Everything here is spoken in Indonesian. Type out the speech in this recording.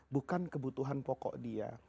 bukan kebutuhan pokok dia